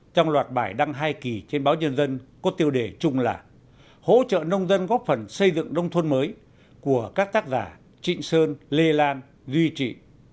trong loạt bài đăng hai kỳ trên báo nhân dân có tiêu đề chung là hỗ trợ nông dân góp phần xây dựng nông thôn mới của các tác giả trịnh sơn lê lan duy trị